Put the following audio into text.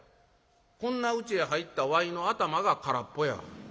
こんなうちへ入ったわいの頭が空っぽや。